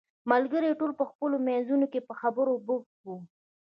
ملګري ټول په خپلو منځو کې په خبرو بوخت وو.